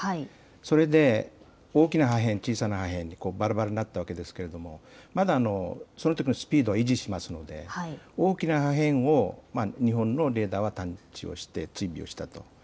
それで大きな破片、小さな破片、ばらばらになったわけですがまだ、そのときのスピードを維持しますので大きな破片を日本のレーダーは探知をして追尾したと。